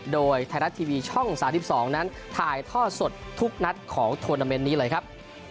โดยไทยรัฐทีวีช่อง๓๒นั้นถ่ายทอดสดทุกนัดของโทรนาเมนต์นี้เลยครับ